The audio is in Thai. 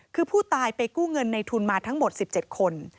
คือผู้ตายไปกู้เงินในทุนมาทั้งหมด๑๗คน